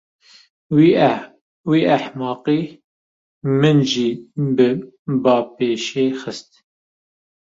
Vî ehmeqî min jî bi bapêşê xist.